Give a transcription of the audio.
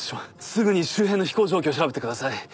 すぐに周辺の飛行状況を調べてください。